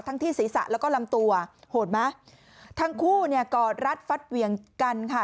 ที่ศีรษะแล้วก็ลำตัวโหดไหมทั้งคู่เนี่ยกอดรัดฟัดเวียงกันค่ะ